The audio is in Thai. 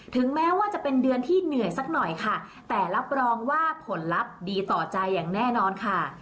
ถึงแม้ว่าจะเป็นเดือนที่เหนื่อยสักหน่อยค่ะแต่รับรองว่าผลลัพธ์ดีต่อใจอย่างแน่นอนค่ะ